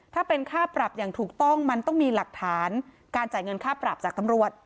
ถ้าเป็นค่าปรับอย่างถูกต้องมันต้องมีหลักฐานการจ่ายเงินค่าปรับจากตำรวจ